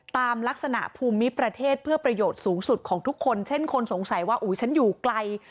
ตามลักษณะภูมิประเทศเพื่อประโยชน์สูงสุดของทุกคนเช่นคนสงสัยว่าอุ๊ยฉันอยู่ไกล